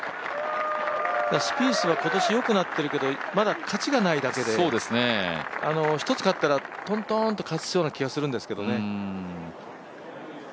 スピースは今年良くなってるけど、まだ勝ちがないだけで１つ勝ったらトントンと勝つような気がしますけどね。